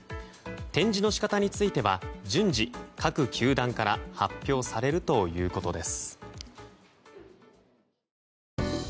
展示の仕方については順次、各球団から発表されるということです。